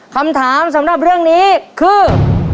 คำถามสำหรับเรื่องนี้คือ